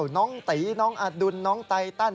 น้องตีน้องอดุลน้องไตตัน